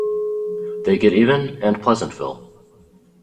They Get Even", and "Pleasantville".